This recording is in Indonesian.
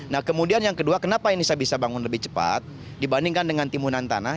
nah kemudian yang kedua kenapa ini saya bisa bangun lebih cepat dibandingkan dengan timunan tanah